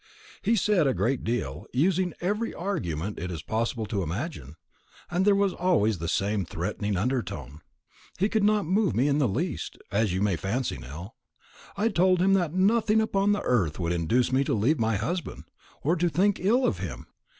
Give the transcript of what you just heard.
He said a great deal, using every argument it is possible to imagine; and there was always the same threatening under tone. He could not move me in the least, as you may fancy, Nell. I told him that nothing upon earth would induce me to leave my husband, or to think ill of him.